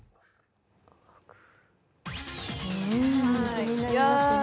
気になりますね。